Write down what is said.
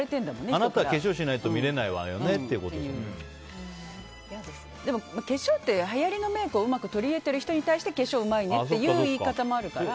あなた化粧しないとでも化粧ってはやりのメイクをうまく取り入れている人に対して化粧うまいねっていう言い方もあるから。